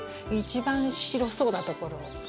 一番白そうなところを。